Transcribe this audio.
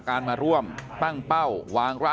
การสอบส่วนแล้วนะ